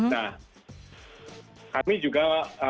nah kami juga